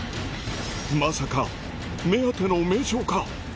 まさか目当ての迷蝶か？